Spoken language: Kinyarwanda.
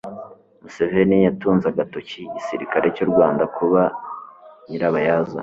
museveni yatunze agatoki igisirikare cy'u rwanda kuba nyirabayazana